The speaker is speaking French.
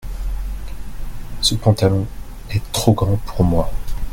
ce pantalon est trop grand pour moi.